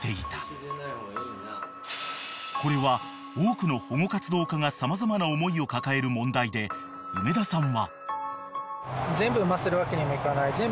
［これは多くの保護活動家が様々な思いを抱える問題で梅田さんは］